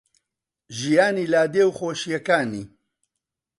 ژیانی لادێ و خۆشییەکانی